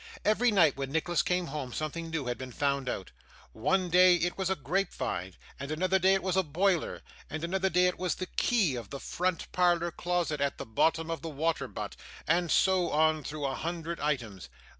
Every night when Nicholas came home, something new had been found out. One day it was a grapevine, and another day it was a boiler, and another day it was the key of the front parlour closet at the bottom of the water butt, and so on through a hundred items.